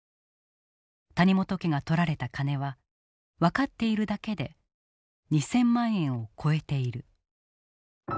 谷本家が取られた金は分かっているだけで２，０００万円を超えている。